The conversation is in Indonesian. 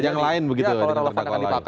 yang lain begitu